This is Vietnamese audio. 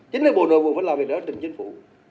chính là bộ nội vụ phải làm việc đó trình chính phủ